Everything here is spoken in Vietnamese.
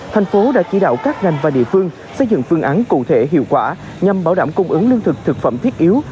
thành phố đã chỉ đạo các ngành và địa phương xây dựng phương án cụ thể hiệu quả nhằm bảo đảm cung ứng lương thực thực phẩm thiết yếu